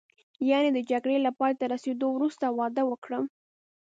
یعنې د جګړې له پایته رسېدو وروسته واده وکړم.